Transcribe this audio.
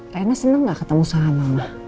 raina senang gak ketemu sama mama